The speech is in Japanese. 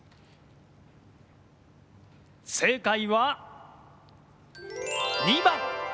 正解は２番。